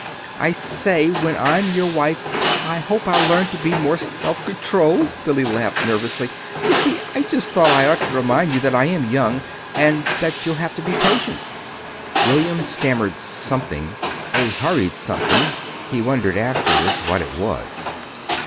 "I say when I'm your wife I hope I'll learn to be more self controlled," laughed Billy, nervously. "You see I just thought I ought to remind you that I am young, and that you'll have to be patient." William stammered something a hurried something; he wondered afterward what it was.